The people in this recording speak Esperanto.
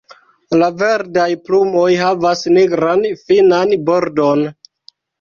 La verdaj plumoj havas nigran finan bordon.